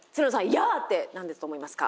ヤーって何だと思いますか？